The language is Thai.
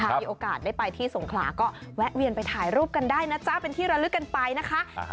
มีโอกาสได้ไปที่สงขลาก็แวะเวียนไปถ่ายรูปกันได้นะจ๊ะเป็นที่ระลึกกันไปนะคะ